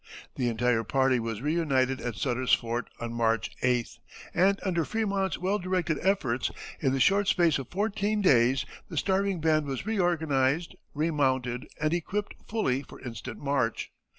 The entire party were reunited at Sutter's Fort on March 8th, and under Frémont's well directed efforts, in the short space of fourteen days the starving band was reorganized, remounted, and equipped fully for instant march.